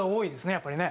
やっぱりね。